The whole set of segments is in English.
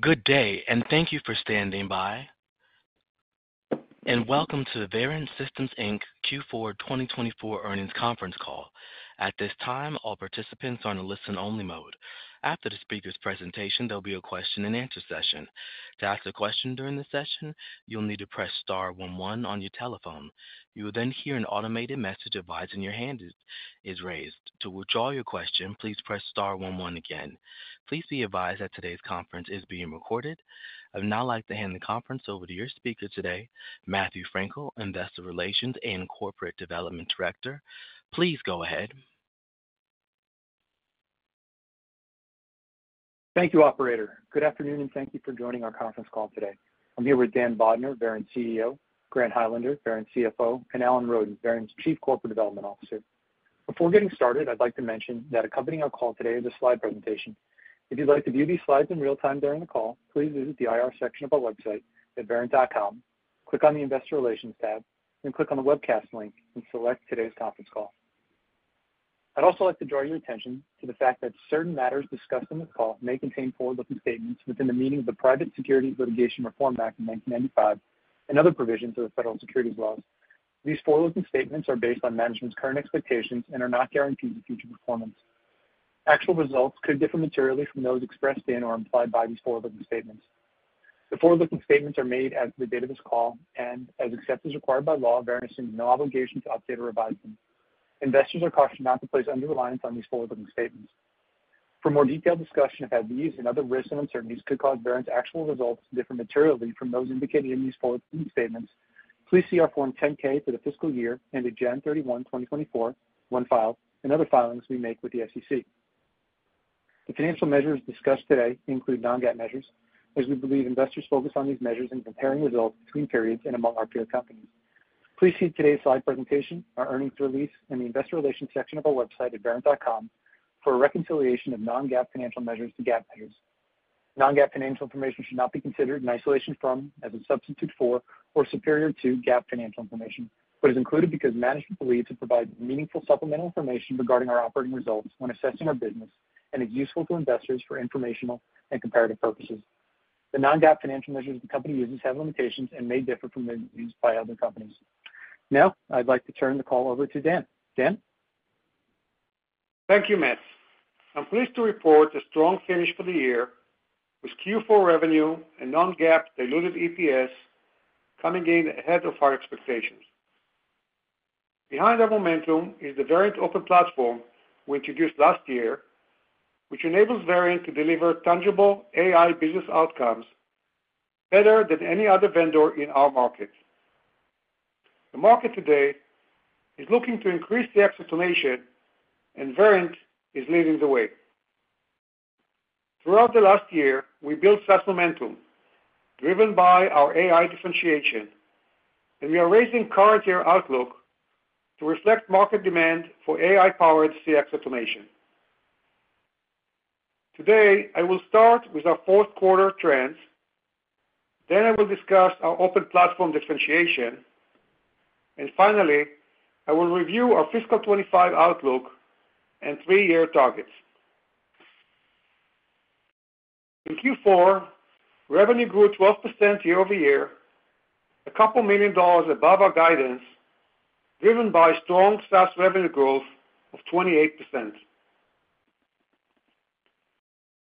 Good day, and thank you for standing by. Welcome to the Verint Systems Inc Q4 2024 earnings conference call. At this time, all participants are in a listen-only mode. After the speaker's presentation, there'll be a question-and-answer session. To ask a question during the session, you'll need to press star one one on your telephone. You will then hear an automated message advising your hand is raised. To withdraw your question, please press star one one again. Please be advised that today's conference is being recorded. I would now like to hand the conference over to your speaker today, Matthew Frankel, Investor Relations and Corporate Development Director. Please go ahead. Thank you, Operator. Good afternoon, and thank you for joining our conference call today. I'm here with Dan Bodner, Verint CEO; Grant Highlander, Verint CFO; and Alan Roden, Verint's Chief Corporate Development Officer. Before getting started, I'd like to mention that accompanying our call today is a slide presentation. If you'd like to view these slides in real time during the call, please visit the IR section of our website at verint.com, click on the Investor Relations tab, then click on the webcast link, and select today's conference call. I'd also like to draw your attention to the fact that certain matters discussed in this call may contain forward-looking statements within the meaning of the Private Securities Litigation Reform Act of 1995 and other provisions of the Federal Securities Laws. These forward-looking statements are based on management's current expectations and are not guarantees of future performance. Actual results could differ materially from those expressed in or implied by these forward-looking statements. The forward-looking statements are made as of the date of this call and as accepted as required by law. Verint assumes no obligation to update or revise them. Investors are cautioned not to place under-reliance on these forward-looking statements. For more detailed discussion of how these and other risks and uncertainties could cause Verint's actual results to differ materially from those indicated in these forward-looking statements, please see our Form 10-K for the fiscal year ended January 31, 2024, when filed, and other filings we make with the SEC. The financial measures discussed today include non-GAAP measures, as we believe investors focus on these measures in comparing results between periods and among our peer companies. Please see today's slide presentation, our earnings release, and the Investor Relations section of our website at verint.com for a reconciliation of non-GAAP financial measures to GAAP measures. Non-GAAP financial information should not be considered in isolation from, as a substitute for, or superior to GAAP financial information. It is included because management believes it provides meaningful supplemental information regarding our operating results when assessing our business and is useful to investors for informational and comparative purposes. The non-GAAP financial measures the company uses have limitations and may differ from those used by other companies. Now, I'd like to turn the call over to Dan. Dan? Thank you, Matt. I'm pleased to report a strong finish for the year, with Q4 revenue and non-GAAP diluted EPS coming in ahead of our expectations. Behind our momentum is the Verint Open Platform we introduced last year, which enables Verint to deliver tangible AI business outcomes better than any other vendor in our market. The market today is looking to increase the acceleration, and Verint is leading the way. Throughout the last year, we built SaaS momentum driven by our AI differentiation, and we are raising current year outlook to reflect market demand for AI-powered CX automation. Today, I will start with our fourth-quarter trends. Then I will discuss our Open Platform differentiation. And finally, I will review our fiscal 2025 outlook and three-year targets. In Q4, revenue grew 12% year-over-year, $2 million above our guidance, driven by strong SaaS revenue growth of 28%.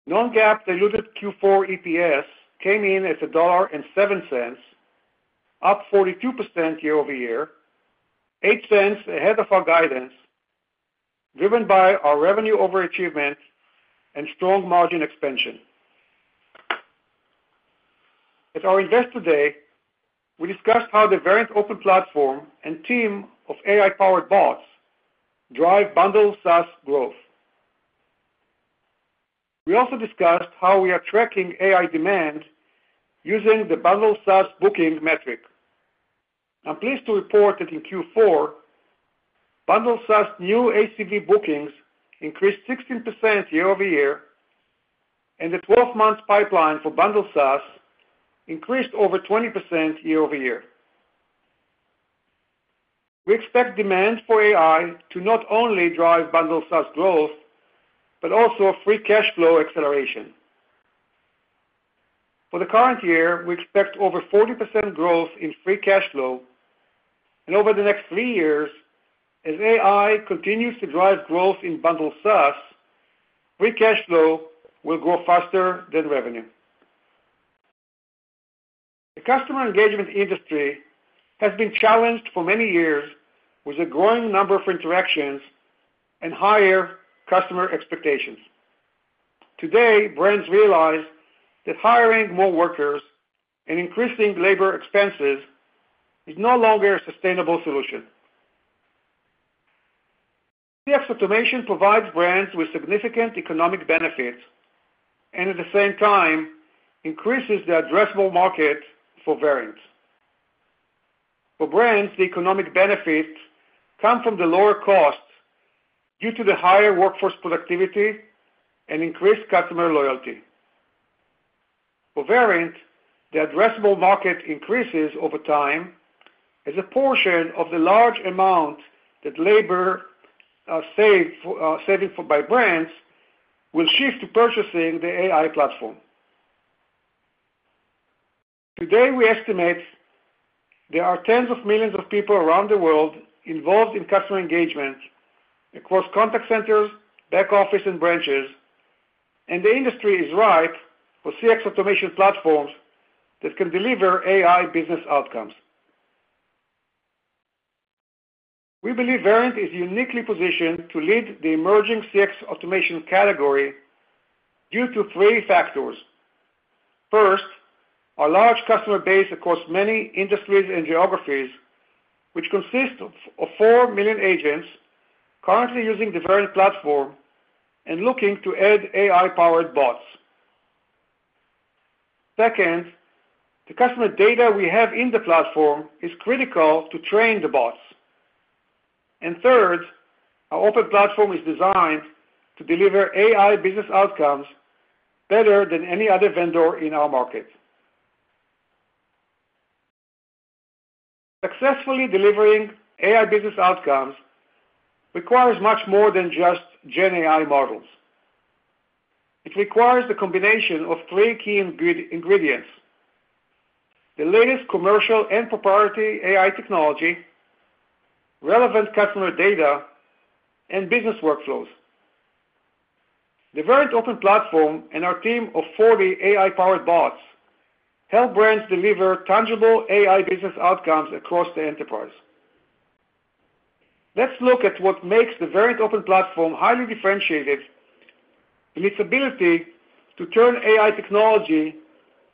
Non-GAAP diluted Q4 EPS came in at $1.07, up 42% year-over-year, $0.08 ahead of our guidance, driven by our revenue overachievement and strong margin expansion. At our investor day, we discussed how the Verint Open Platform and team of AI-powered bots drive Bundled SaaS growth. We also discussed how we are tracking AI demand using the Bundled SaaS booking metric. I'm pleased to report that in Q4, Bundled SaaS new ACV bookings increased 16% year-over-year, and the 12-month pipeline for Bundled SaaS increased over 20% year-over-year. We expect demand for AI to not only drive Bundled SaaS growth but also free cash flow acceleration. For the current year, we expect over 40% growth in free cash flow. Over the next three years, as AI continues to drive growth in Bundled SaaS, free cash flow will grow faster than revenue. The customer engagement industry has been challenged for many years with a growing number of interactions and higher customer expectations. Today, brands realize that hiring more workers and increasing labor expenses is no longer a sustainable solution. CX automation provides brands with significant economic benefits and, at the same time, increases the addressable market for Verint. For brands, the economic benefits come from the lower costs due to the higher workforce productivity and increased customer loyalty. For Verint, the addressable market increases over time as a portion of the large amount that labor saving by brands will shift to purchasing the AI platform. Today, we estimate there are tens of millions of people around the world involved in customer engagement across contact centers, back office, and branches. The industry is ripe for CX automation platforms that can deliver AI business outcomes. We believe Verint is uniquely positioned to lead the emerging CX Automation category due to three factors. First, our large customer base across many industries and geographies, which consists of 4 million agents currently using the Verint platform and looking to add AI-powered bots. Second, the customer data we have in the platform is critical to train the bots. Third, our Open Platform is designed to deliver AI business outcomes better than any other vendor in our market. Successfully delivering AI business outcomes requires much more than just GenAI models. It requires the combination of 3 key ingredients: the latest commercial and proprietary AI technology, relevant customer data, and business workflows. The Verint Open Platform and our team of 40 AI-powered bots help brands deliver tangible AI business outcomes across the enterprise. Let's look at what makes the Verint Open Platform highly differentiated in its ability to turn AI technology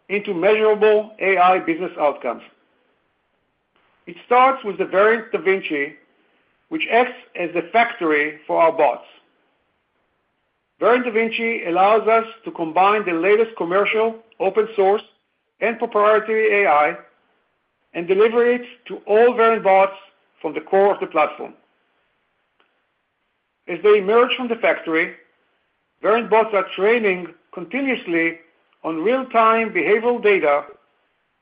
into measurable AI business outcomes. It starts with the Verint Da Vinci, which acts as the factory for our bots. Verint Da Vinci allows us to combine the latest commercial, open-source, and proprietary AI and deliver it to all Verint bots from the core of the platform. As they emerge from the factory, Verint bots are training continuously on real-time behavioral data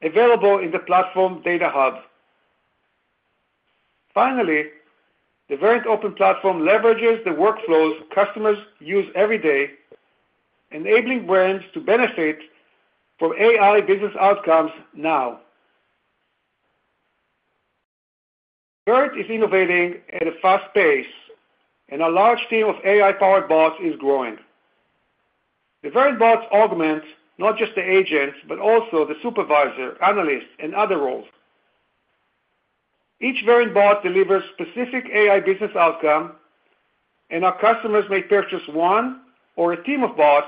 available in the platform data hub. Finally, the Verint Open Platform leverages the workflows customers use every day, enabling brands to benefit from AI business outcomes now. Verint is innovating at a fast pace, and our large team of AI-powered bots is growing. The Verint bots augment not just the agents but also the supervisor, analyst, and other roles. Each Verint bot delivers a specific AI business outcome, and our customers may purchase one or a team of bots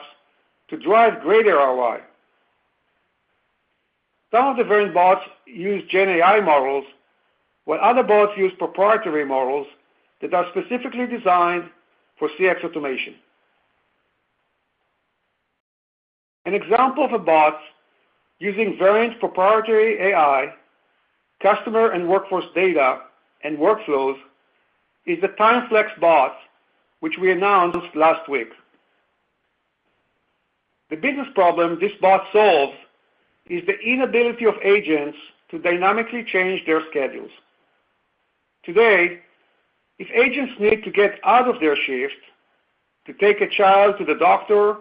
to drive greater ROI. Some of the Verint bots use GenAI models, while other bots use proprietary models that are specifically designed for CX automation. An example of a bot using Verint proprietary AI, customer and workforce data, and workflows is the TimeFlex Bot, which we announced last week. The business problem this bot solves is the inability of agents to dynamically change their schedules. Today, if agents need to get out of their shift to take a child to the doctor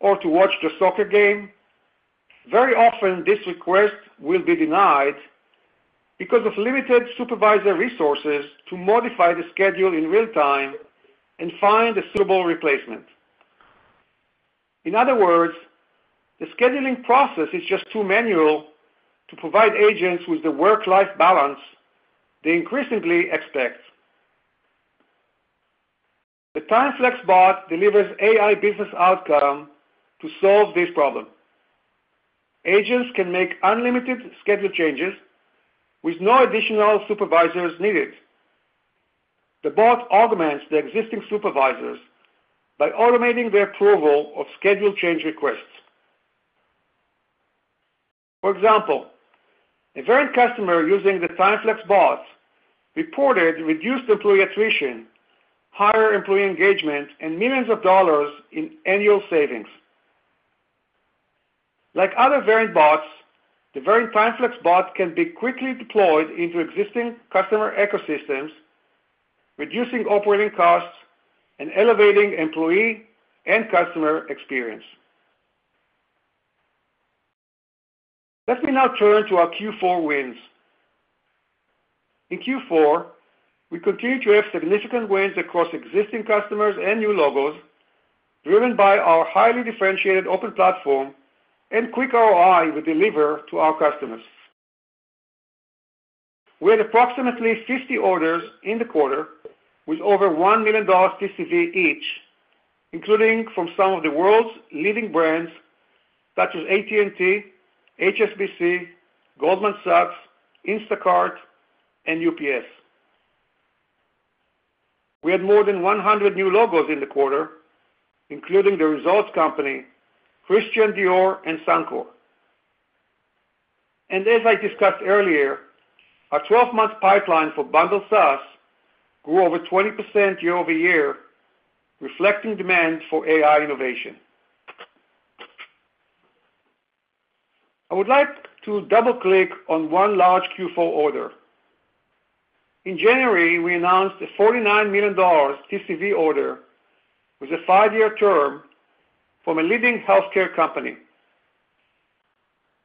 or to watch their soccer game, very often this request will be denied because of limited supervisor resources to modify the schedule in real time and find a suitable replacement. In other words, the scheduling process is just too manual to provide agents with the work-life balance they increasingly expect. The TimeFlex Bot delivers AI business outcome to solve this problem. Agents can make unlimited schedule changes with no additional supervisors needed. The bot augments the existing supervisors by automating their approval of schedule change requests. For example, a Verint customer using the TimeFlex Bot reported reduced employee attrition, higher employee engagement, and millions of dollars in annual savings. Like other Verint bots, the Verint TimeFlex Bot can be quickly deployed into existing customer ecosystems, reducing operating costs and elevating employee and customer experience. Let me now turn to our Q4 wins. In Q4, we continue to have significant wins across existing customers and new logos, driven by our highly differentiated Open Platform and quick ROI we deliver to our customers. We had approximately 50 orders in the quarter with over $1 million TCV each, including from some of the world's leading brands such as AT&T, HSBC, Goldman Sachs, Instacart, and UPS. We had more than 100 new logos in the quarter, including ResultsCX, Christian Dior, and Suncor. As I discussed earlier, our 12-month pipeline for Bundled SaaS grew over 20% year-over-year, reflecting demand for AI innovation. I would like to double-click on one large Q4 order. In January, we announced a $49 million TCV order with a five-year term from a leading healthcare company.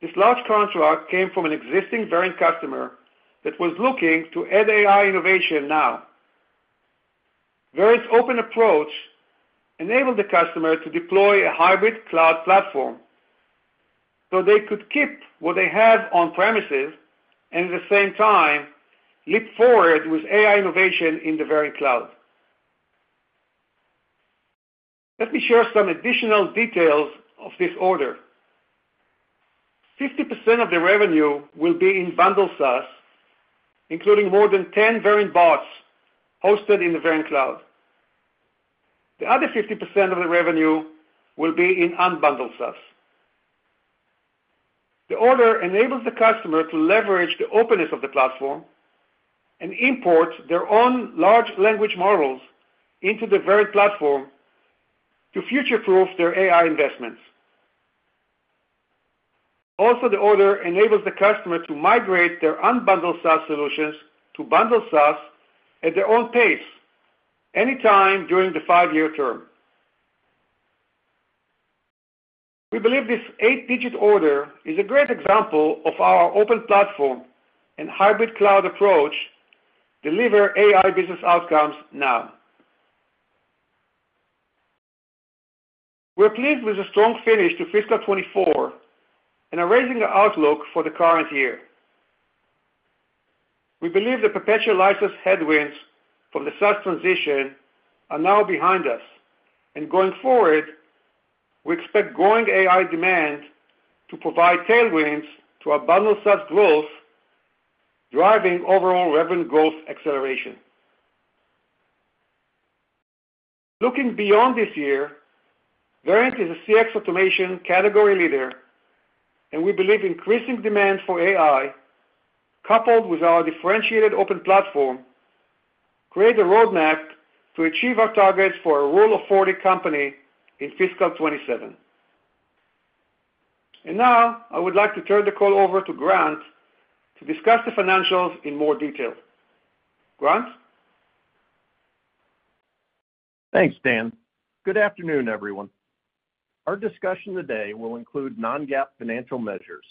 This large contract came from an existing Verint customer that was looking to add AI innovation now. Verint's open approach enabled the customer to deploy a hybrid cloud platform so they could keep what they have on-premises and, at the same time, leap forward with AI innovation in the Verint cloud. Let me share some additional details of this order. 50% of the revenue will be in Bundled SaaS, including more than 10 Verint bots hosted in the Verint cloud. The other 50% of the revenue will be Unbundled SaaS. The order enables the customer to leverage the openness of the platform and import their own large language models into the Verint platform to future-proof their AI investments. Also, the order enables the customer to migrate Unbundled SaaS solutions to Bundled SaaS at their own pace anytime during the five-year term. We believe this eight-digit order is a great example of how our Open Platform and Hybrid Cloud approach deliver AI business outcomes now. We're pleased with the strong finish to fiscal 2024 and are raising our outlook for the current year. We believe the perpetual license headwinds from the SaaS transition are now behind us. Going forward, we expect growing AI demand to provide tailwinds to our Bundled SaaS growth, driving overall revenue growth acceleration. Looking beyond this year, Verint is a CX automation category leader. We believe increasing demand for AI coupled with our differentiated Open Platform create a roadmap to achieve our targets for a Rule of 40 company in fiscal 2027. Now, I would like to turn the call over to Grant to discuss the financials in more detail. Grant? Thanks, Dan. Good afternoon, everyone. Our discussion today will include non-GAAP financial measures.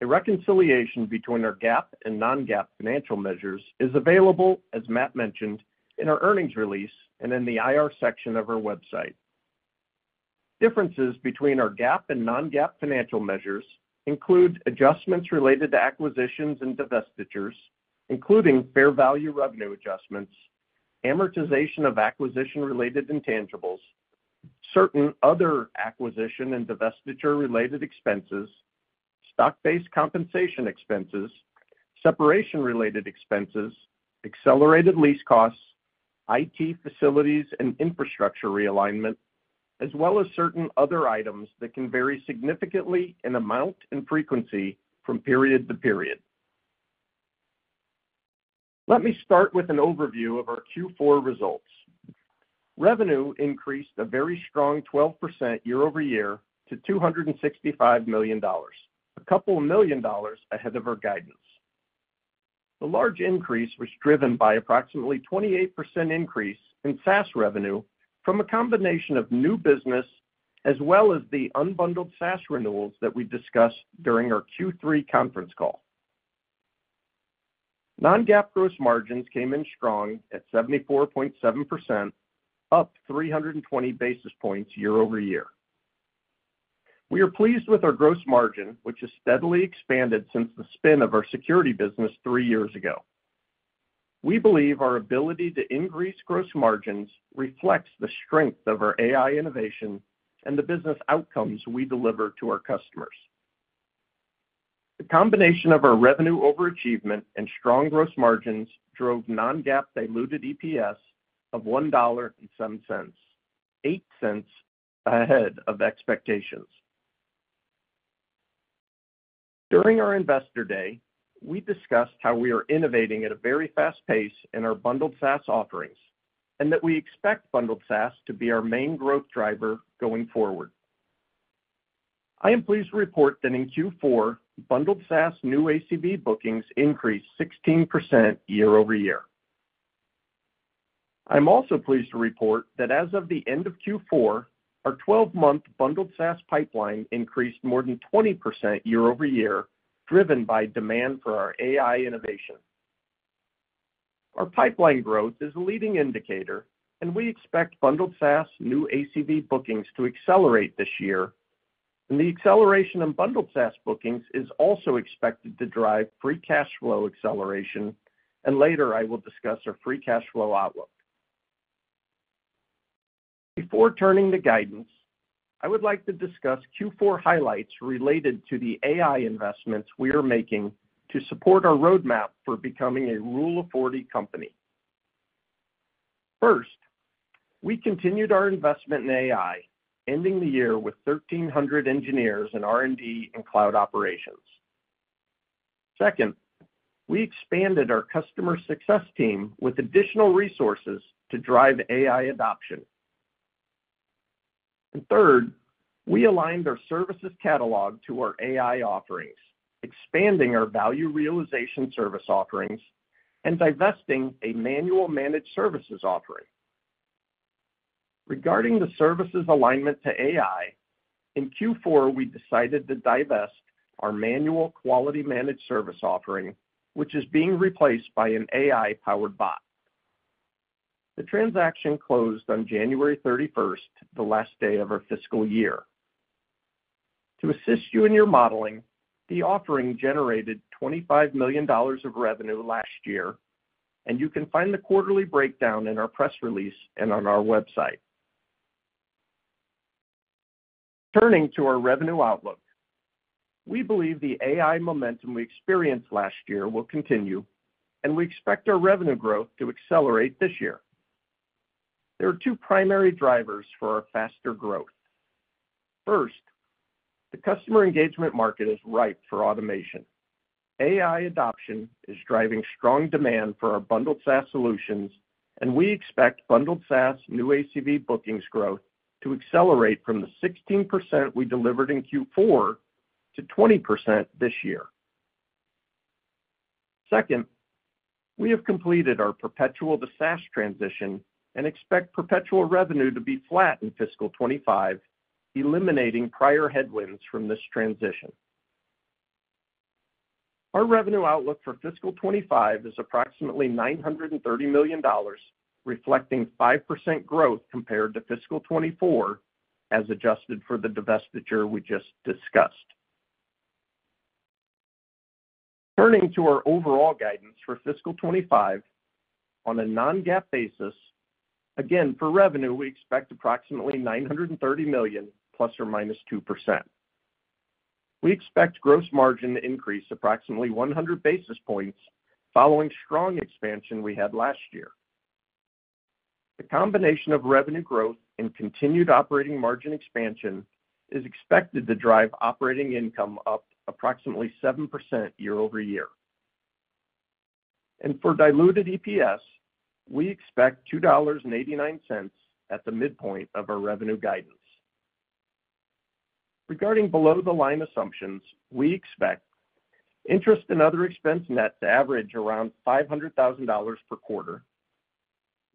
A reconciliation between our GAAP and non-GAAP financial measures is available, as Matt mentioned, in our earnings release and in the IR section of our website. Differences between our GAAP and non-GAAP financial measures include adjustments related to acquisitions and divestitures, including fair value revenue adjustments, amortization of acquisition-related intangibles, certain other acquisition and divestiture-related expenses, stock-based compensation expenses, separation-related expenses, accelerated lease costs, IT facilities and infrastructure realignment, as well as certain other items that can vary significantly in amount and frequency from period to period. Let me start with an overview of our Q4 results. Revenue increased a very strong 12% year-over-year to $265 million, $2 million ahead of our guidance. The large increase was driven by approximately 28% increase in SaaS revenue from a combination of new business as well as Unbundled SaaS renewals that we discussed during our Q3 conference call. Non-GAAP gross margins came in strong at 74.7%, up 320 basis points year-over-year. We are pleased with our gross margin, which has steadily expanded since the spin of our security business three years ago. We believe our ability to increase gross margins reflects the strength of our AI innovation and the business outcomes we deliver to our customers. The combination of our revenue overachievement and strong gross margins drove non-GAAP diluted EPS of $1.07, $0.08 ahead of expectations. During our investor day, we discussed how we are innovating at a very fast pace in our Bundled SaaS offerings and that we expect Bundled SaaS to be our main growth driver going forward. I am pleased to report that in Q4, Bundled SaaS new ACV bookings increased 16% year-over-year. I'm also pleased to report that as of the end of Q4, our 12-month Bundled SaaS pipeline increased more than 20% year-over-year, driven by demand for our AI innovation. Our pipeline growth is a leading indicator, and we expect Bundled SaaS new ACV bookings to accelerate this year. The acceleration in Bundled SaaS bookings is also expected to drive free cash flow acceleration. Later, I will discuss our free cash flow outlook. Before turning to guidance, I would like to discuss Q4 highlights related to the AI investments we are making to support our roadmap for becoming a Rule of 40 company. First, we continued our investment in AI, ending the year with 1,300 engineers in R&D and cloud operations. Second, we expanded our customer success team with additional resources to drive AI adoption. And third, we aligned our services catalog to our AI offerings, expanding our value realization service offerings and divesting a manual managed services offering. Regarding the services alignment to AI, in Q4, we decided to divest our manual quality managed service offering, which is being replaced by an AI-powered bot. The transaction closed on January 31st, the last day of our fiscal year. To assist you in your modeling, the offering generated $25 million of revenue last year. You can find the quarterly breakdown in our press release and on our website. Turning to our revenue outlook, we believe the AI momentum we experienced last year will continue, and we expect our revenue growth to accelerate this year. There are two primary drivers for our faster growth. First, the customer engagement market is ripe for automation. AI adoption is driving strong demand for our Bundled SaaS solutions, and we expect Bundled SaaS new ACV bookings growth to accelerate from the 16% we delivered in Q4 to 20% this year. Second, we have completed our perpetual to SaaS transition and expect perpetual revenue to be flat in fiscal 2025, eliminating prior headwinds from this transition. Our revenue outlook for fiscal 2025 is approximately $930 million, reflecting 5% growth compared to fiscal 2024 as adjusted for the divestiture we just discussed. Turning to our overall guidance for fiscal 2025 on a non-GAAP basis, again, for revenue, we expect approximately $930 million ±2%. We expect gross margin to increase approximately 100 basis points following strong expansion we had last year. The combination of revenue growth and continued operating margin expansion is expected to drive operating income up approximately 7% year-over-year. And for diluted EPS, we expect $2.89 at the midpoint of our revenue guidance. Regarding below-the-line assumptions, we expect interest and other expense net to average around $500,000 per quarter,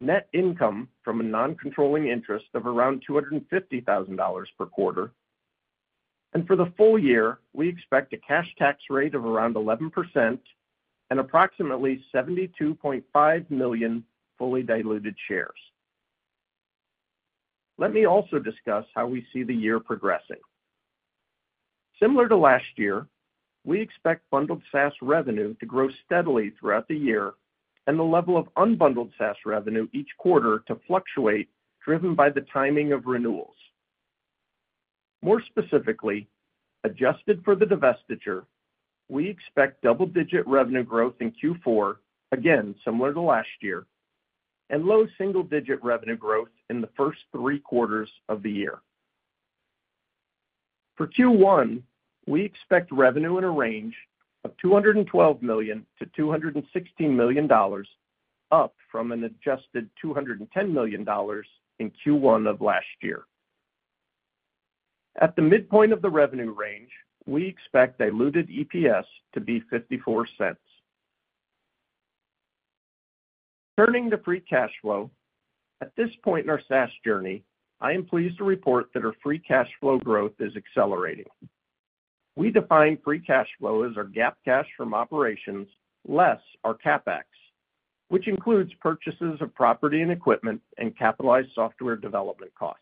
net income from a non-controlling interest of around $250,000 per quarter. And for the full year, we expect a cash tax rate of around 11% and approximately 72.5 million fully diluted shares. Let me also discuss how we see the year progressing. Similar to last year, we expect Bundled SaaS revenue to grow steadily throughout the year, and the level Unbundled SaaS revenue each quarter to fluctuate driven by the timing of renewals. More specifically, adjusted for the divestiture, we expect double-digit revenue growth in Q4, again, similar to last year, and low single-digit revenue growth in the first three quarters of the year. For Q1, we expect revenue in a range of $212 million-$216 million, up from an adjusted $210 million in Q1 of last year. At the midpoint of the revenue range, we expect diluted EPS to be $0.54. Turning to free cash flow, at this point in our SaaS journey, I am pleased to report that our free cash flow growth is accelerating. We define free cash flow as our GAAP cash from operations less our CapEx, which includes purchases of property and equipment and capitalized software development costs.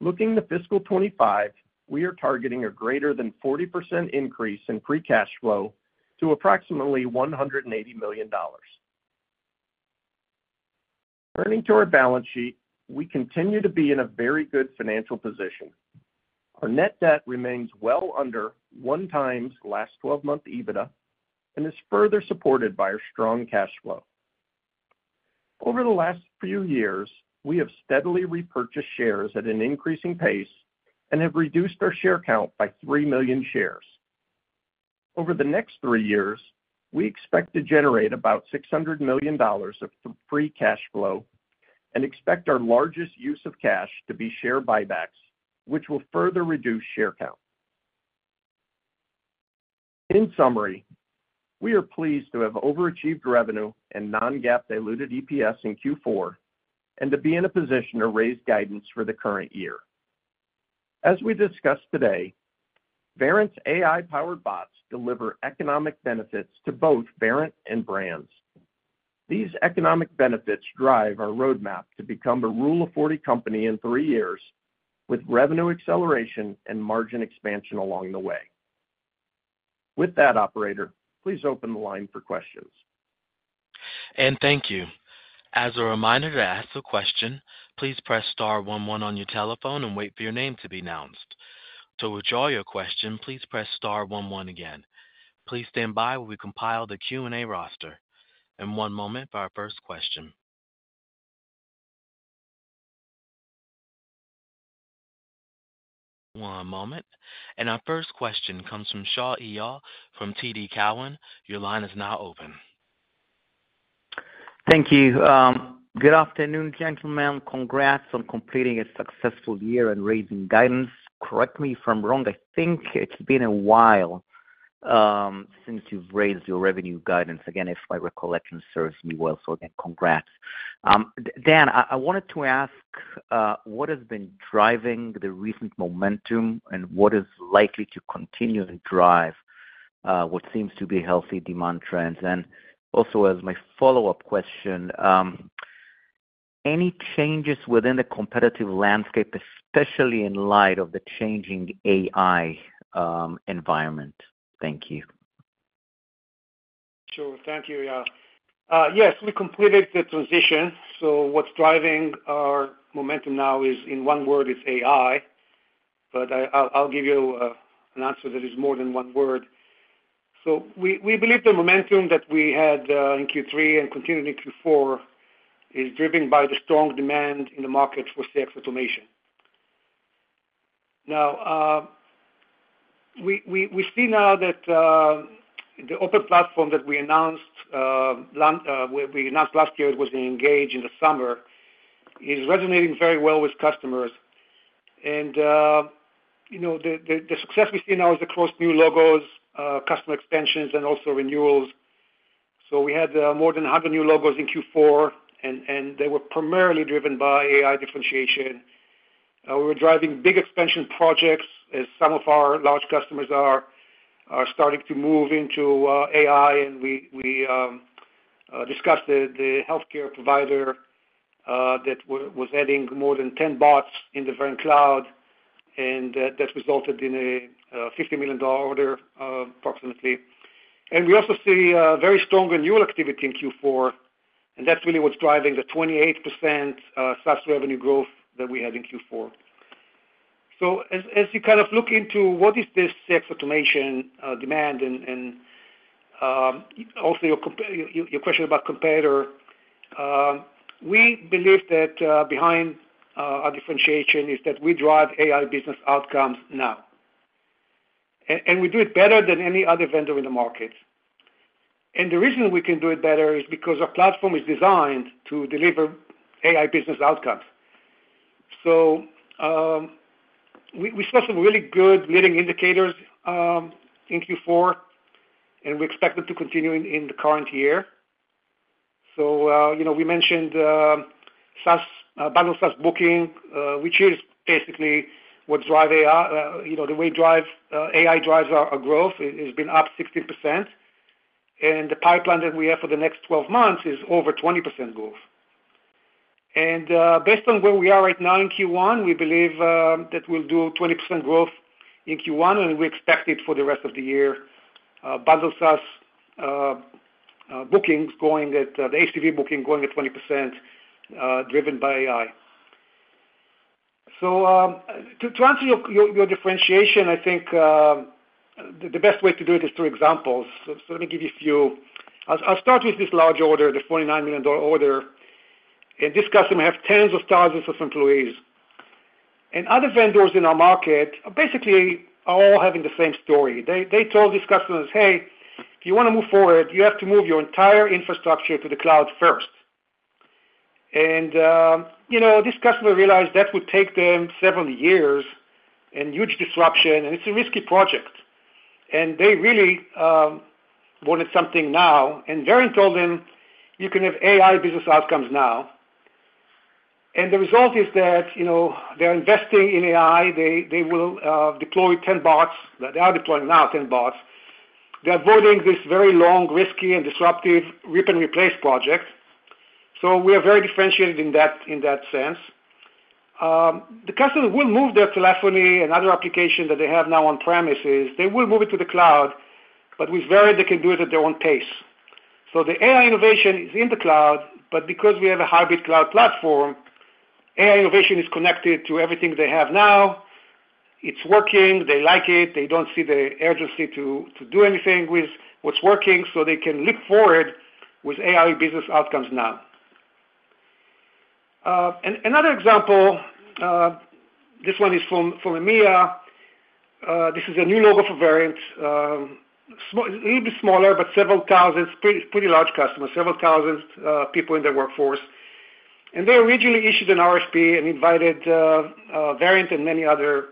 Looking to fiscal 2025, we are targeting a greater than 40% increase in free cash flow to approximately $180 million. Turning to our balance sheet, we continue to be in a very good financial position. Our net debt remains well under one times last 12-month EBITDA and is further supported by our strong cash flow. Over the last few years, we have steadily repurchased shares at an increasing pace and have reduced our share count by 3 million shares. Over the next three years, we expect to generate about $600 million of free cash flow and expect our largest use of cash to be share buybacks, which will further reduce share count. In summary, we are pleased to have overachieved revenue and non-GAAP diluted EPS in Q4 and to be in a position to raise guidance for the current year. As we discussed today, Verint's AI-powered bots deliver economic benefits to both Verint and Brands. These economic benefits drive our roadmap to become a Rule of 40 company in three years with revenue acceleration and margin expansion along the way. With that, operator, please open the line for questions. Thank you. As a reminder to ask a question, please press star one one on your telephone and wait for your name to be announced. To withdraw your question, please press star one one again. Please stand by while we compile the Q&A roster. One moment for our first question. One moment. Our first question comes from Shaul Eyal from TD Cowen. Your line is now open. Thank you. Good afternoon, gentlemen. Congrats on completing a successful year and raising guidance. Correct me if I'm wrong. I think it's been a while since you've raised your revenue guidance, again, if my recollection serves me well. So again, congrats. Dan, I wanted to ask what has been driving the recent momentum and what is likely to continue and drive what seems to be healthy demand trends. And also, as my follow-up question, any changes within the competitive landscape, especially in light of the changing AI environment? Thank you. Sure. Thank you, Eyal. Yes, we completed the transition. So what's driving our momentum now is, in one word, it's AI. But I'll give you an answer that is more than one word. So we believe the momentum that we had in Q3 and continued in Q4 is driven by the strong demand in the market for CX automation. Now, we see now that the Open Platform that we announced last year, it was in Engage in the summer, is resonating very well with customers. And the success we see now is across new logos, customer extensions, and also renewals. So we had more than 100 new logos in Q4, and they were primarily driven by AI differentiation. We were driving big expansion projects, as some of our large customers are starting to move into AI. We discussed the healthcare provider that was adding more than 10 bots in the Verint cloud, and that resulted in a $50 million order, approximately. We also see very strong renewal activity in Q4, and that's really what's driving the 28% SaaS revenue growth that we had in Q4. So as you kind of look into what is this CX automation demand and also your question about competitor, we believe that behind our differentiation is that we drive AI business outcomes now. We do it better than any other vendor in the market. The reason we can do it better is because our platform is designed to deliver AI business outcomes. We saw some really good leading indicators in Q4, and we expect them to continue in the current year. So we mentioned Bundled SaaS bookings, which is basically what drives AI. The way AI drives our growth has been up 16%. And the pipeline that we have for the next 12 months is over 20% growth. And based on where we are right now in Q1, we believe that we'll do 20% growth in Q1, and we expect it for the rest of the year. Bundled SaaS bookings going at the ACV bookings going at 20% driven by AI. So to answer your differentiation, I think the best way to do it is through examples. So let me give you a few. I'll start with this large order, the $49 million order. And this customer has tens of thousands of employees. And other vendors in our market basically are all having the same story. They told these customers, "Hey, if you want to move forward, you have to move your entire infrastructure to the cloud first." This customer realized that would take them several years and huge disruption, and it's a risky project. They really wanted something now. Verint told them, "You can have AI business outcomes now." The result is that they're investing in AI. They will deploy 10 bots. They are deploying now 10 bots. They're avoiding this very long, risky, and disruptive rip-and-replace project. We are very differentiated in that sense. The customer will move their telephony and other applications that they have now on-premises. They will move it to the cloud, but with Verint, they can do it at their own pace. So the AI innovation is in the cloud, but because we have a hybrid cloud platform, AI innovation is connected to everything they have now. It's working. They like it. They don't see the urgency to do anything with what's working, so they can look forward with AI business outcomes now. Another example, this one is from EMEA. This is a new logo for Verint. A little bit smaller, but several thousand pretty large customers, several thousand people in their workforce. And they originally issued an RFP and invited Verint and many other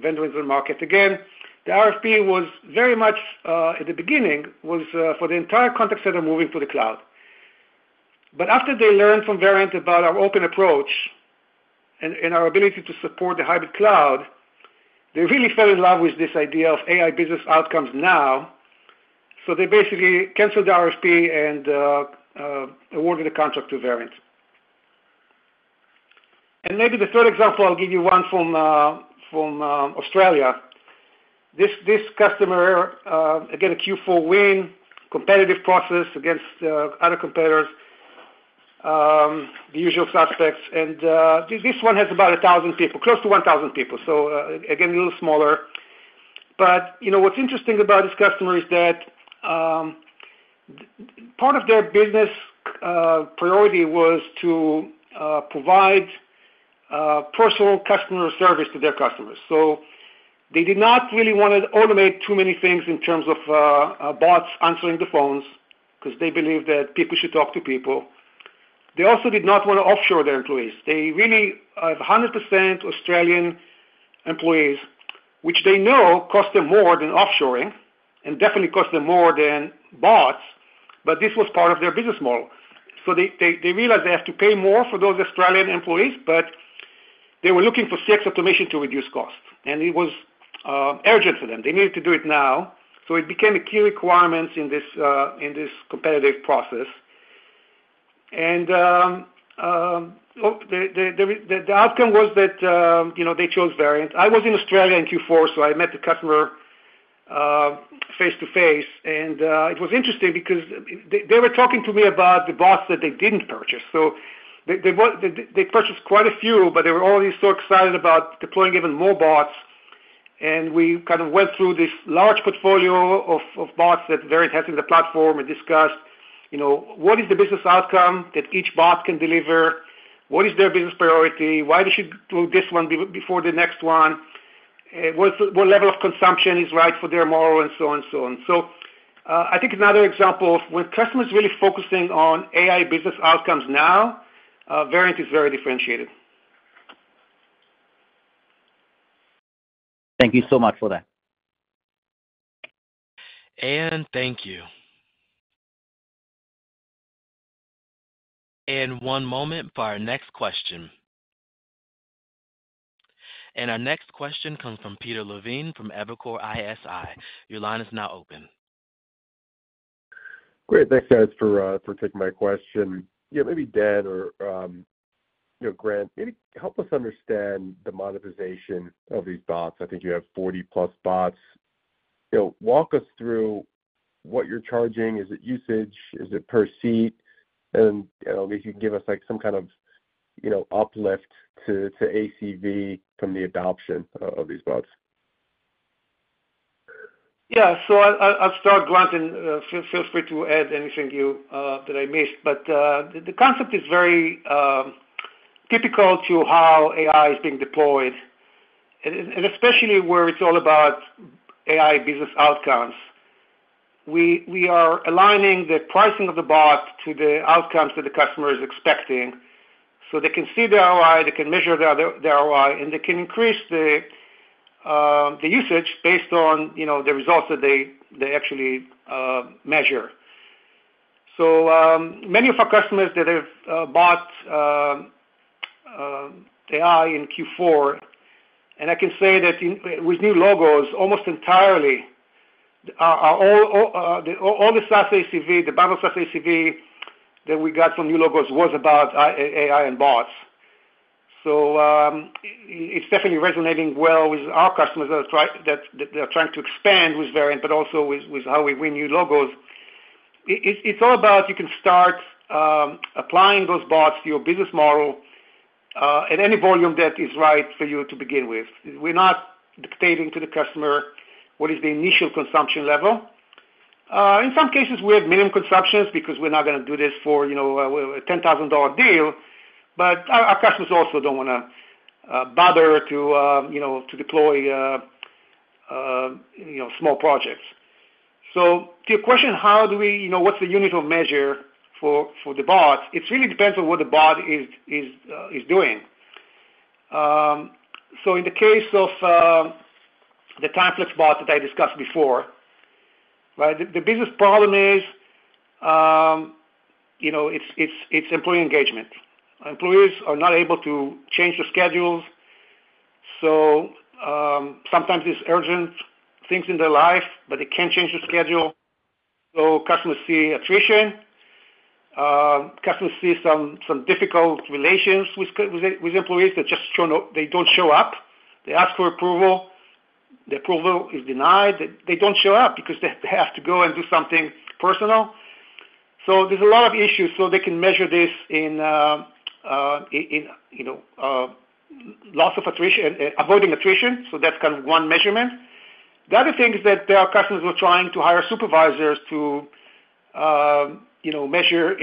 vendors in the market. Again, the RFP was very much at the beginning was for the entire contact center moving to the cloud. But after they learned from Verint about our open approach and our ability to support the hybrid cloud, they really fell in love with this idea of AI business outcomes now. So they basically canceled the RFP and awarded the contract to Verint. And maybe the third example, I'll give you one from Australia. This customer, again, a Q4 win, competitive process against other competitors, the usual suspects. And this one has about 1,000 people, close to 1,000 people. So again, a little smaller. But what's interesting about this customer is that part of their business priority was to provide personal customer service to their customers. So they did not really want to automate too many things in terms of bots answering the phones because they believe that people should talk to people. They also did not want to offshore their employees. They really have 100% Australian employees, which they know cost them more than offshoring and definitely cost them more than bots, but this was part of their business model. They realized they have to pay more for those Australian employees, but they were looking for CX automation to reduce cost. It was urgent for them. They needed to do it now. It became a key requirement in this competitive process. The outcome was that they chose Verint. I was in Australia in Q4, so I met the customer face-to-face. It was interesting because they were talking to me about the bots that they didn't purchase. They purchased quite a few, but they were already so excited about deploying even more bots. We kind of went through this large portfolio of bots that Verint has in the platform and discussed what is the business outcome that each bot can deliver? What is their business priority? Why they should do this one before the next one? What level of consumption is right for their model and so on and so on? So I think another example of when customers are really focusing on AI business outcomes now, Verint is very differentiated. Thank you so much for that. Thank you. One moment for our next question. Our next question comes from Peter Levine from Evercore ISI. Your line is now open. Great. Thanks, guys, for taking my question. Maybe Dan or Grant, maybe help us understand the monetization of these bots. I think you have 40+ bots. Walk us through what you're charging. Is it usage? Is it per seat? And maybe you can give us some kind of uplift to ACV from the adoption of these bots. Yeah. So I'll start, Grant, and feel free to add anything that I missed. But the concept is very typical to how AI is being deployed, and especially where it's all about AI business outcomes. We are aligning the pricing of the bot to the outcomes that the customer is expecting so they can see the ROI, they can measure the ROI, and they can increase the usage based on the results that they actually measure. So many of our customers that have bought AI in Q4, and I can say that with new logos, almost entirely all the SaaS ACV, the Bundled SaaS ACV that we got from new logos was about AI and bots. So it's definitely resonating well with our customers that are trying to expand with Verint but also with how we win new logos. It's all about you can start applying those bots to your business model at any volume that is right for you to begin with. We're not dictating to the customer what is the initial consumption level. In some cases, we have minimum consumptions because we're not going to do this for a $10,000 deal. But our customers also don't want to bother to deploy small projects. So to your question, how do we, what's the unit of measure for the bot? It really depends on what the bot is doing. So in the case of the TimeFlex Bot that I discussed before, the business problem is it's employee engagement. Employees are not able to change their schedules. So sometimes it's urgent things in their life, but they can't change their schedule. So customers see attrition. Customers see some difficult relations with employees that just they don't show up. They ask for approval. The approval is denied. They don't show up because they have to go and do something personal. So there's a lot of issues. So they can measure this in loss of attrition, avoiding attrition. So that's kind of one measurement. The other thing is that there are customers who are trying to hire supervisors to measure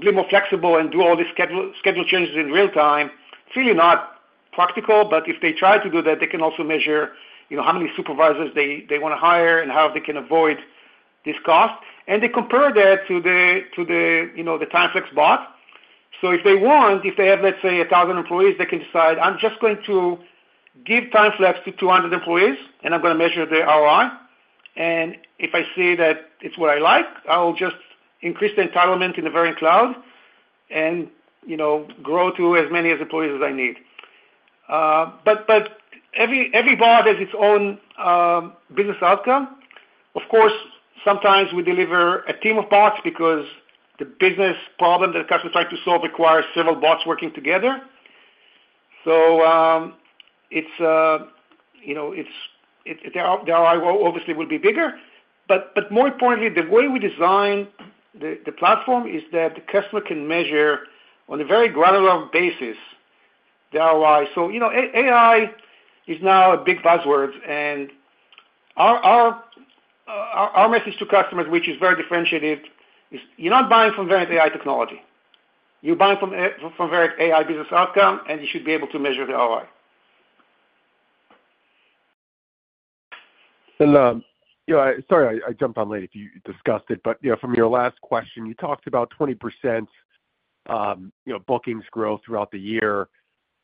be more flexible and do all these schedule changes in real time. It's really not practical, but if they try to do that, they can also measure how many supervisors they want to hire and how they can avoid this cost. And they compare that to the TimeFlex Bot. So if they want, if they have, let's say, 1,000 employees, they can decide, "I'm just going to give TimeFlex to 200 employees, and I'm going to measure their ROI. And if I see that it's what I like, I'll just increase the entitlement in the Verint cloud and grow to as many employees as I need." But every bot has its own business outcome. Of course, sometimes we deliver a team of bots because the business problem that the customer is trying to solve requires several bots working together. So their ROI obviously will be bigger. But more importantly, the way we design the platform is that the customer can measure on a very granular basis their ROI. So AI is now a big buzzword. And our message to customers, which is very differentiated, is, "You're not buying from Verint AI technology. You're buying from Verint AI business outcome, and you should be able to measure the ROI. Sorry, I jumped on late if you discussed it. From your last question, you talked about 20% bookings growth throughout the year.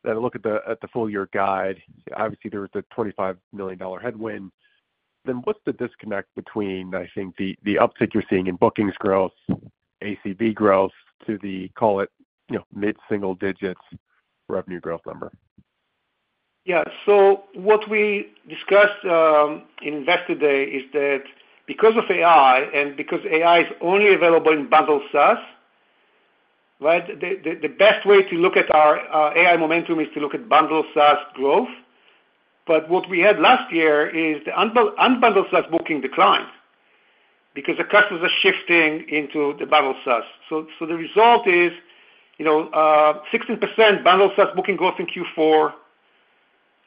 I look at the full-year guide. Obviously, there was a $25 million headwind. What's the disconnect between, I think, the uptick you're seeing in bookings growth, ACV growth, to the, call it, mid-single digits revenue growth number? Yeah. So what we discussed in Investor Day is that because of AI and because AI is only available in Bundled SaaS, the best way to look at our AI momentum is to look at Bundled SaaS growth. But what we had last year is Unbundled SaaS booking declined because the customers are shifting into the Bundled SaaS. So the result is 16% Bundled SaaS booking growth in Q4.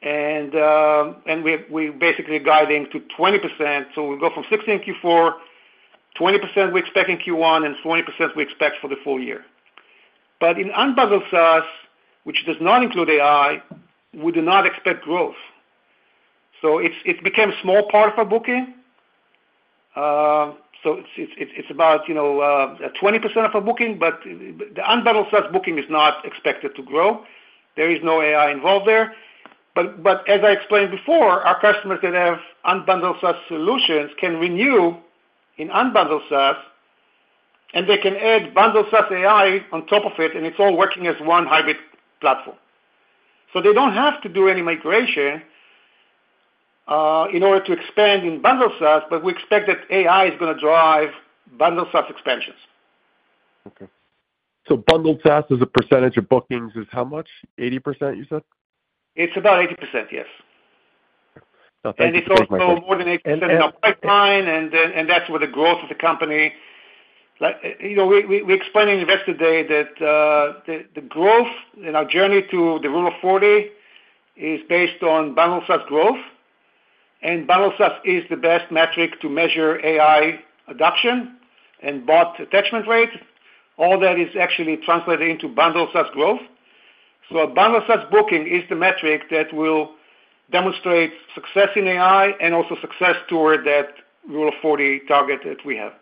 And we're basically guiding to 20%. So we'll go from 16% in Q4, 20% we expect in Q1, and 20% we expect for the full year. But Unbundled SaaS, which does not include AI, we do not expect growth. So it became a small part of our booking. So it's about 20% of our booking, but Unbundled SaaS booking is not expected to grow. There is no AI involved there. But as I explained before, our customers that Unbundled SaaS solutions can renew Unbundled SaaS, and they can add Bundled SaaS AI on top of it, and it's all working as one hybrid platform. So they don't have to do any migration in order to expand in Bundled SaaS, but we expect that AI is going to drive Bundled SaaS expansions. Okay. So Bundled SaaS as a percentage of bookings is how much? 80%, you said? It's about 80%, yes. It's also more than 80% in our pipeline, and that's where the growth of the company we explained in Investor Day that the growth in our journey to the Rule of 40 is based on Bundled SaaS growth. Bundled SaaS is the best metric to measure AI adoption and bot attachment rate. All that is actually translated into Bundled SaaS growth. Bundled SaaS booking is the metric that will demonstrate success in AI and also success toward that Rule of 40 target that we have.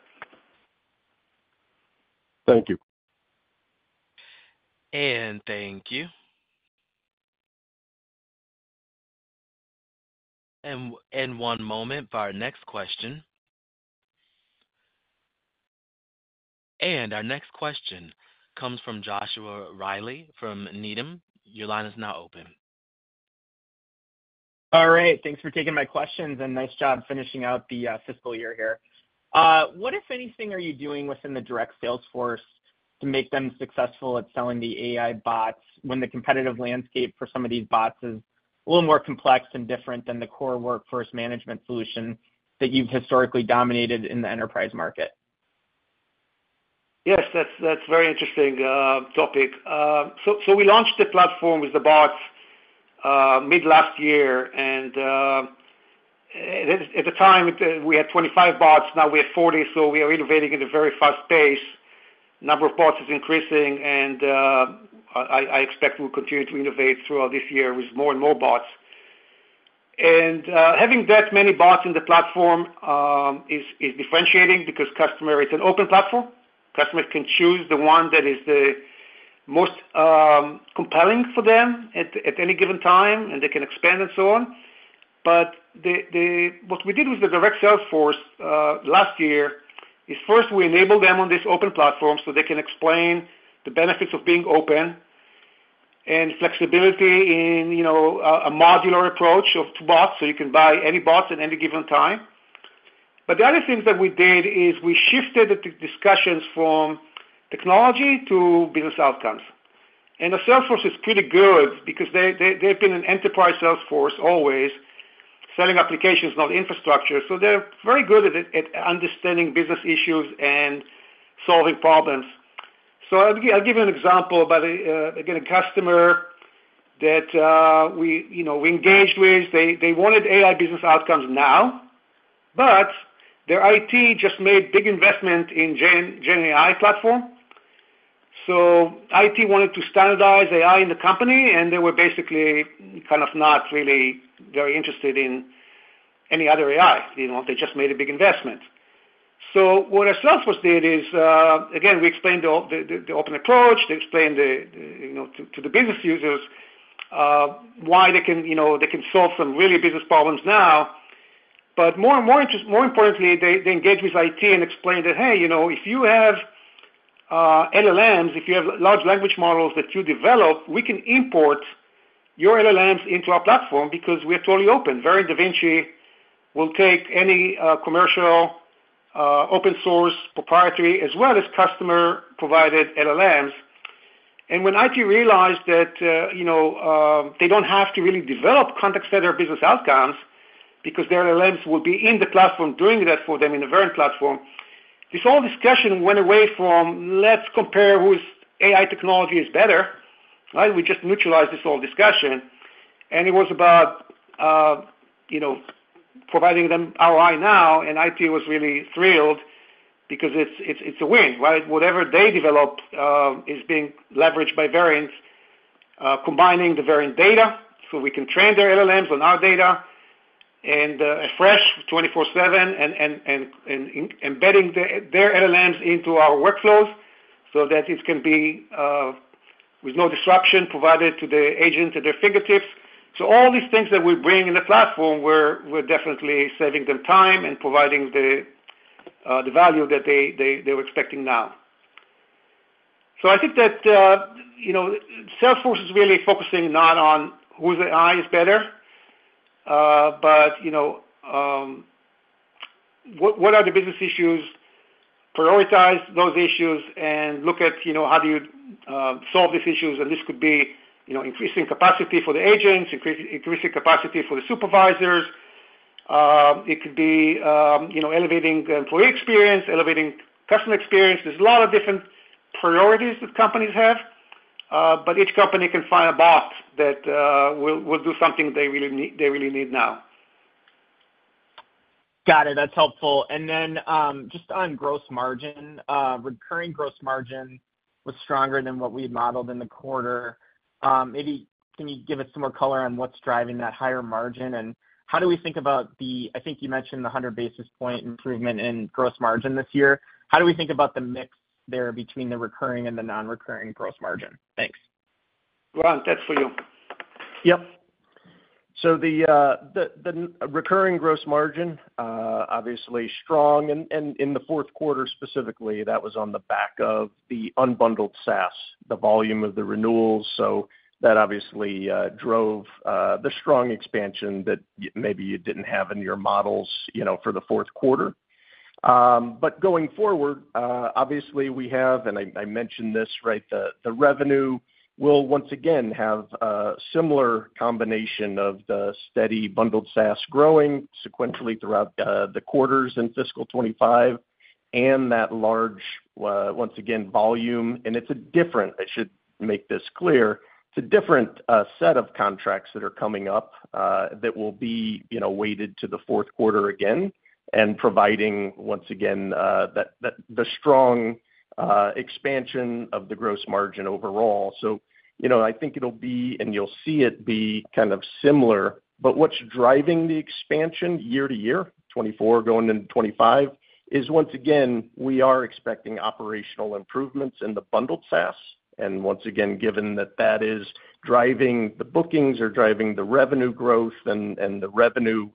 Thank you. Thank you. One moment for our next question. Our next question comes from Joshua Reilly from Needham. Your line is now open. All right. Thanks for taking my questions, and nice job finishing out the fiscal year here. What, if anything, are you doing within the direct salesforce to make them successful at selling the AI bots when the competitive landscape for some of these bots is a little more complex and different than the core workforce management solution that you've historically dominated in the enterprise market? Yes. That's a very interesting topic. So we launched the platform with the bots mid-last year. And at the time, we had 25 bots. Now we have 40, so we are innovating at a very fast pace. Number of bots is increasing, and I expect we'll continue to innovate throughout this year with more and more bots. And having that many bots in the platform is differentiating because it's an Open Platform. Customers can choose the one that is the most compelling for them at any given time, and they can expand and so on. But what we did with the direct salesforce last year is, first, we enabled them on this Open Platform so they can explain the benefits of being open and flexibility in a modular approach of two bots, so you can buy any bots at any given time. But the other things that we did is we shifted the discussions from technology to business outcomes. And the salesforce is pretty good because they've been an enterprise salesforce always, selling applications, not infrastructure. So they're very good at understanding business issues and solving problems. So I'll give you an example about, again, a customer that we Engaged with. They wanted AI business outcomes now, but their IT just made big investment in GenAI platform. So IT wanted to standardize AI in the company, and they were basically kind of not really very interested in any other AI. They just made a big investment. So what our salesforce did is, again, we explained the open approach. They explained to the business users why they can solve some really business problems now. But more importantly, they Engaged with IT and explained that, "Hey, if you have LLMs, if you have large language models that you develop, we can import your LLMs into our platform because we are totally open." Verint Da Vinci will take any commercial, open-source, proprietary as well as customer-provided LLMs. And when IT realized that they don't have to really develop context-centered business outcomes because their LLMs will be in the platform doing that for them in the Verint platform, this whole discussion went away from, "Let's compare whose AI technology is better." We just neutralized this whole discussion. And it was about providing them ROI now, and IT was really thrilled because it's a win. Whatever they develop is being leveraged by Verint, combining the Verint data so we can train their LLMs on our data and afresh 24/7 and embedding their LLMs into our workflows so that it can be with no disruption provided to the agent at their fingertips. So all these things that we bring in the platform, we're definitely saving them time and providing the value that they were expecting now. So I think that Salesforce is really focusing not on whose AI is better, but what are the business issues, prioritize those issues, and look at how do you solve these issues. And this could be increasing capacity for the agents, increasing capacity for the supervisors. It could be elevating employee experience, elevating customer experience. There's a lot of different priorities that companies have, but each company can find a bot that will do something they really need now. Got it. That's helpful. And then just on gross margin, recurring gross margin was stronger than what we had modeled in the quarter. Maybe can you give us some more color on what's driving that higher margin? And how do we think about the I think you mentioned the 100 basis point improvement in gross margin this year. How do we think about the mix there between the recurring and the non-recurring gross margin? Thanks. Ron, that's for you. Yep. So the recurring gross margin, obviously strong. And in the fourth quarter specifically, that was on the back of Unbundled SaaS, the volume of the renewals. So that obviously drove the strong expansion that maybe you didn't have in your models for the fourth quarter. But going forward, obviously, we have and I mentioned this, right? The revenue will once again have a similar combination of the steady Bundled SaaS growing sequentially throughout the quarters in fiscal 2025 and that large, once again, volume. And it's a different I should make this clear. It's a different set of contracts that are coming up that will be weighted to the fourth quarter again and providing, once again, the strong expansion of the gross margin overall. So I think it'll be and you'll see it be kind of similar. But what's driving the expansion year to year, 2024 going into 2025, is, once again, we are expecting operational improvements in the Bundled SaaS. And once again, given that that is driving the bookings or driving the revenue growth and the revenue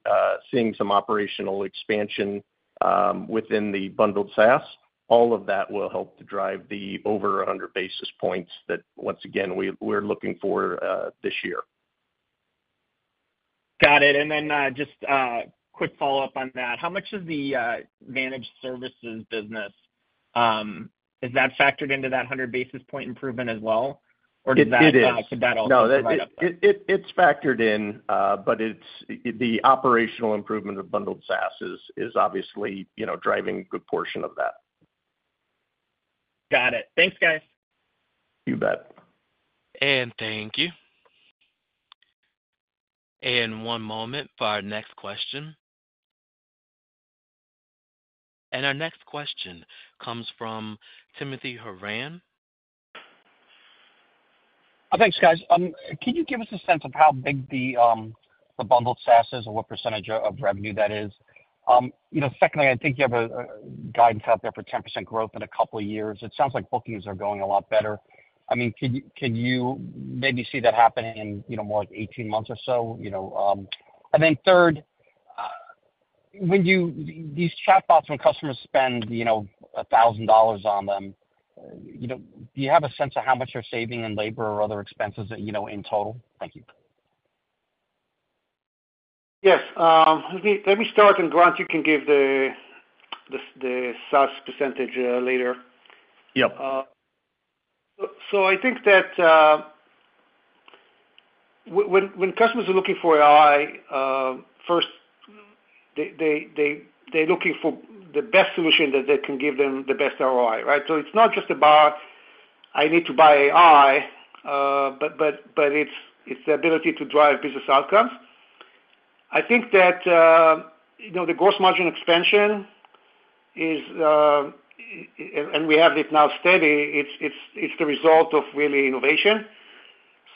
seeing some operational expansion within the Bundled SaaS, all of that will help to drive the over 100 basis points that, once again, we're looking for this year. Got it. And then just a quick follow-up on that. How much of the managed services business is that factored into that 100 basis point improvement as well, or could that also drive up that? It's factored in, but the operational improvement of Bundled SaaS is obviously driving a good portion of that. Got it. Thanks, guys. You bet. Thank you. One moment for our next question. Our next question comes from Timothy Horan. Thanks, guys. Can you give us a sense of how big the Bundled SaaS is or what percentage of revenue that is? Secondly, I think you have guidance out there for 10% growth in a couple of years. It sounds like bookings are going a lot better. I mean, can you maybe see that happening in more like 18 months or so? And then third, these chatbots when customers spend $1,000 on them, do you have a sense of how much they're saving in labor or other expenses in total? Thank you. Yes. Let me start, and Grant, you can give the SaaS percentage later. So I think that when customers are looking for AI, first, they're looking for the best solution that can give them the best ROI, right? So it's not just about, "I need to buy AI," but it's the ability to drive business outcomes. I think that the gross margin expansion is, and we have it now, steady. It's the result of real innovation.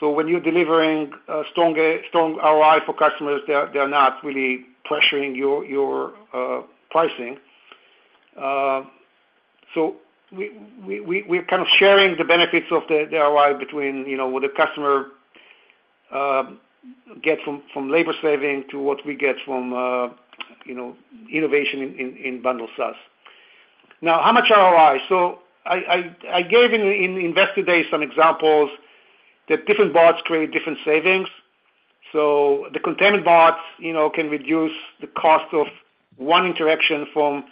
So when you're delivering strong ROI for customers, they're not really pressuring your pricing. So we're kind of sharing the benefits of the ROI between what the customer gets from labor saving to what we get from innovation in Bundled SaaS. Now, how much ROI? So I gave in Investor Day some examples that different bots create different savings. So the containment bots can reduce the cost of one interaction from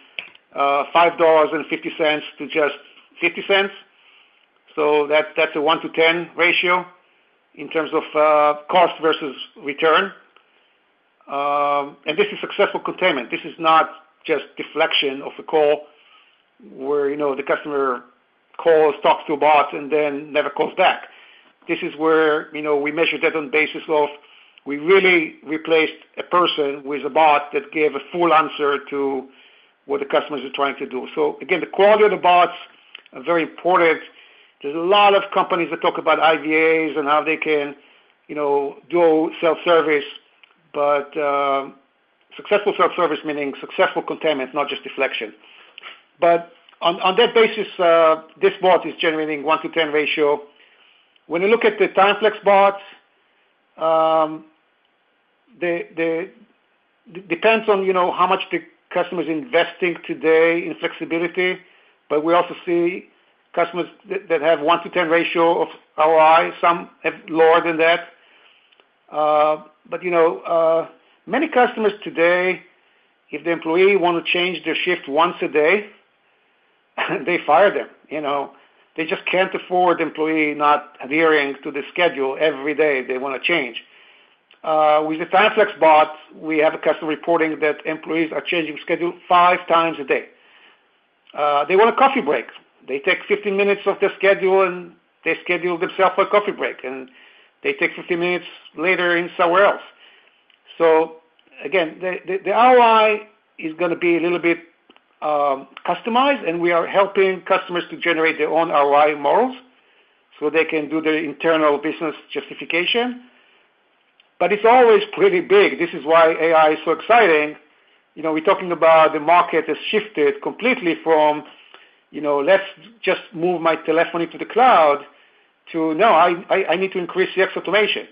$5.50 to just $0.50. So that's a 1-to-10 ratio in terms of cost versus return. And this is successful containment. This is not just deflection of a call where the customer calls, talks to a bot, and then never calls back. This is where we measure that on the basis of we really replaced a person with a bot that gave a full answer to what the customers are trying to do. So again, the quality of the bots are very important. There's a lot of companies that talk about IVAs and how they can do self-service, but successful self-service meaning successful containment, not just deflection. But on that basis, this bot is generating 1-to-10 ratio. When you look at the TimeFlex Bots, it depends on how much the customer's investing today in flexibility. But we also see customers that have 1-to-10 ratio of ROI. Some have lower than that. But many customers today, if the employee wants to change their shift once a day, they fire them. They just can't afford the employee not adhering to the schedule every day they want to change. With the TimeFlex Bots, we have a customer reporting that employees are changing schedule 5 times a day. They want a coffee break. They take 15 minutes off their schedule, and they schedule themselves for a coffee break. And they take 15 minutes later in somewhere else. So again, the ROI is going to be a little bit customized, and we are helping customers to generate their own ROI models so they can do their internal business justification. But it's always pretty big. This is why AI is so exciting. We're talking about the market has shifted completely from, "Let's just move my telephony to the cloud," to, "No, I need to increase the CX automation."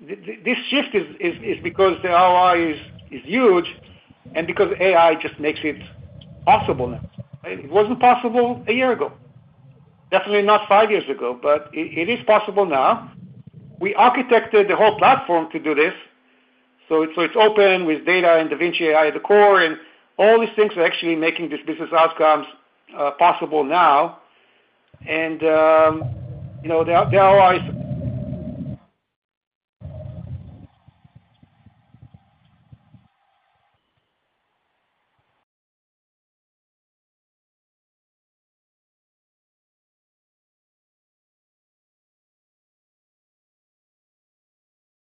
This shift is because the ROI is huge and because AI just makes it possible now, right? It wasn't possible a year ago, definitely not five years ago, but it is possible now. We architected the whole platform to do this. So it's open with data and Da Vinci AI at the core. And all these things are actually making these business outcomes possible now. And the ROI is.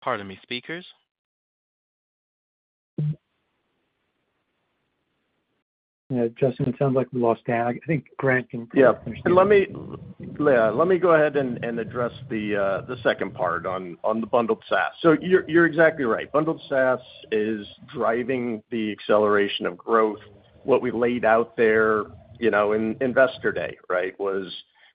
Pardon me, speakers? Yeah, Justin, it sounds like we lost Dan. I think Grant can understand. Yeah. Let me go ahead and address the second part on the Bundled SaaS. So you're exactly right. Bundled SaaS is driving the acceleration of growth. What we laid out there in Investor Day, right, was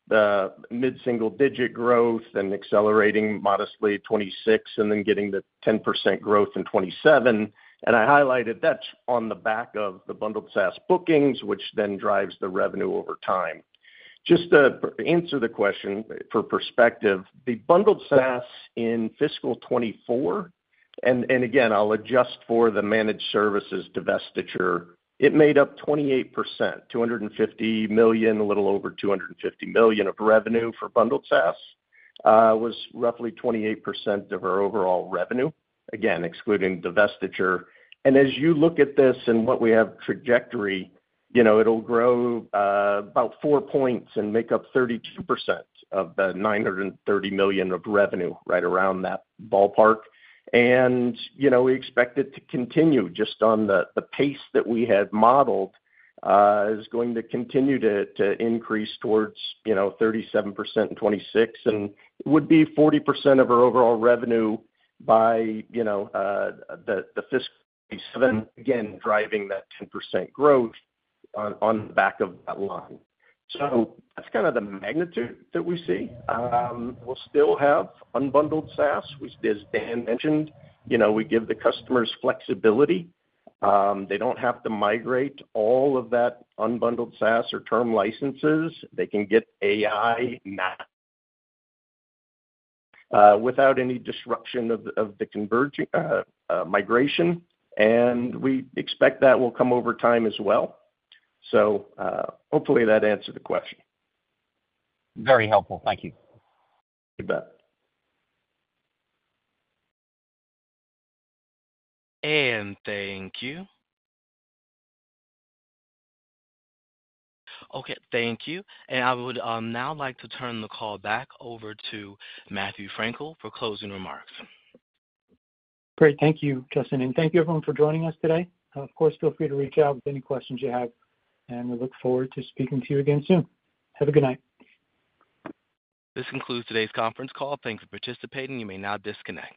the mid-single-digit growth and accelerating modestly 2026 and then getting the 10% growth in 2027. I highlighted that's on the back of the Bundled SaaS bookings, which then drives the revenue over time. Just to answer the question for perspective, the Bundled SaaS in fiscal 2024, and again, I'll adjust for the managed services divestiture, it made up 28%, $250 million, a little over $250 million of revenue for Bundled SaaS was roughly 28% of our overall revenue, again, excluding divestiture. As you look at this and what we have trajectory, it'll grow about four points and make up 32% of the $930 million of revenue, right around that ballpark. We expect it to continue. Just on the pace that we had modeled, it's going to continue to increase towards 37% in 2026 and would be 40% of our overall revenue by the fiscal 2027, again, driving that 10% growth on the back of that line. So that's kind of the magnitude that we see. We'll still Unbundled SaaS. As Dan mentioned, we give the customers flexibility. They don't have to migrate all of Unbundled SaaS or term licenses. They can get AI without any disruption of the migration. We expect that will come over time as well. So hopefully, that answered the question. Very helpful. Thank you. You bet. And thank you. Okay. Thank you. And I would now like to turn the call back over to Matthew Frankel for closing remarks. Great. Thank you, Justin. Thank you, everyone, for joining us today. Of course, feel free to reach out with any questions you have. We look forward to speaking to you again soon. Have a good night. This concludes today's conference call. Thanks for participating. You may now disconnect.